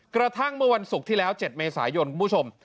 กระทั่งเมื่อวันศุกร์ที่แล้ว๗เมษายนคุณผู้ชม